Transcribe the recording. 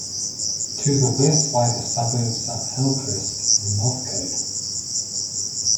To the west lie the suburbs of Hillcrest and Northcote.